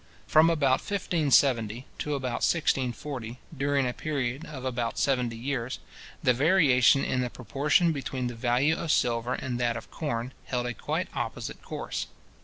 From about 1570 to about 1640, during a period of about seventy years, the variation in the proportion between the value of silver and that of corn held a quite opposite course.